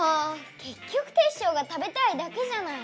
けっきょくテッショウが食べたいだけじゃない。